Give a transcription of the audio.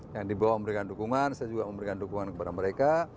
yang di bawah memberikan dukungan saya juga memberikan dukungan kepada mereka